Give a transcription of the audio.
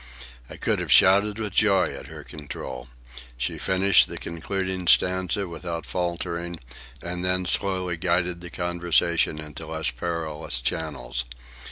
I could have shouted with joy at her control. She finished the concluding stanza without faltering and then slowly guided the conversation into less perilous channels.